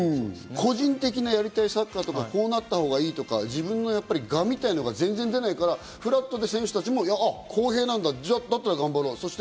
個人的な、やりたいサッカーとか、こうなったほうがいいとか、自分の我みたいなものが出ないから、フラットに選手たちも公平なんだ、だったら頑張ろうって。